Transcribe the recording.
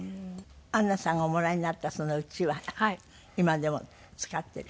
アンナさんがおもらいになったその家は今でも使ってる？